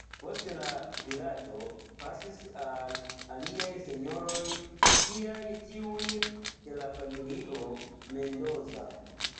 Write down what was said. Poste la vilaĝo pasis al aliaj senjoroj, kiaj tiuj de la familio Mendoza.